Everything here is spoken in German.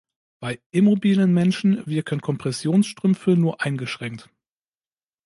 Bei immobilen Menschen wirken Kompressionsstrümpfe nur eingeschränkt.